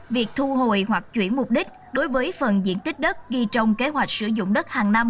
việc thu hồi hoặc chuyển mục đích đối với phần diện tích đất ghi trong kế hoạch sử dụng đất hàng năm